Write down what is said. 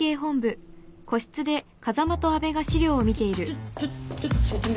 ちょちょちょっちょっと説明するね。